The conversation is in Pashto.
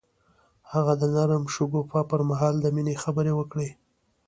هغه د نرم شګوفه پر مهال د مینې خبرې وکړې.